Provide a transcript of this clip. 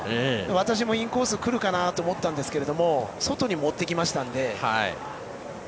私もインコース、くるかなと思ったんですけど外に持っていきましたので。